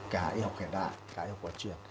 cả y học hiện đại cả y học cổ truyền